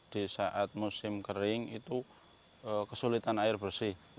di saat musim kering itu kesulitan air bersih